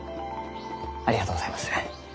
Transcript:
ありがとうございます。